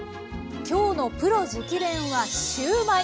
今日のプロ直伝！はシューマイ。